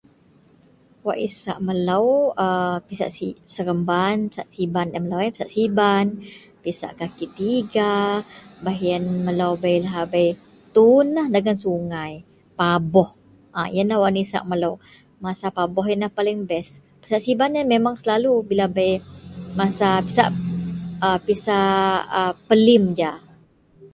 Wak isak melo---pisak seremban, pisak siban laei melo, pisak kaki tiga bah ien melo tuwon dagen sungai paboh ienlah wak paling best, pisak siban, selalu bila bei pisak pelim paling best ja.